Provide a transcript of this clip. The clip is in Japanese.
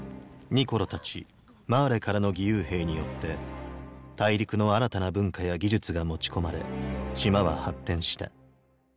ニコロたちマーレからの義勇兵によって大陸の新たな文化や技術が持ち込まれ島は発展した。